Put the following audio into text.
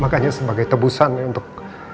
makanya sebagai tebusan untuk